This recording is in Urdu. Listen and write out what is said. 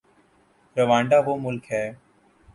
روانڈا وہ ملک ہے۔